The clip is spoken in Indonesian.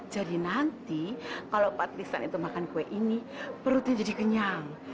nanti kalau partisan itu makan kue ini perutnya jadi kenyang